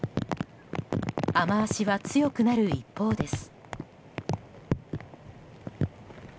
雨脚は強くなる一方です。